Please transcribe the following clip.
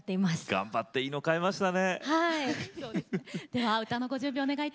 頑張っていいものを買いましたね。